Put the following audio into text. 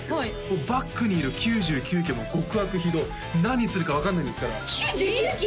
もうバックにいる９９鬼は極悪非道何するか分かんないですから９９鬼！？